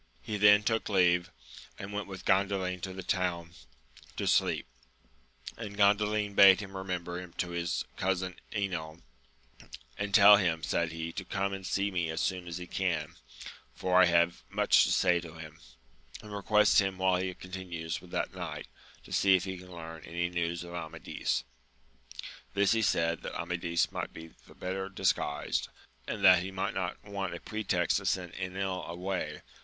He then took leave, and went with Gandalin to the town to sleep ; and Gandalin bade him remember him to his cousin Enil, And tell him, said he, to come and see me as soon as he can, for I have much to say to him, and request him while he continues with that knight, to see if he can learn any news of Amadis. This he said that Amadis might be the better disguised, and that he might not want a pretext to send £nil away.